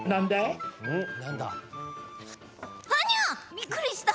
びっくりした！